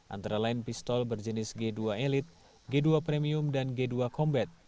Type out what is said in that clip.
antara lain pistol berjenis j dua elite j dua premium dan j dua combat